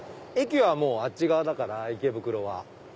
駅はもうあっち側だから池袋は。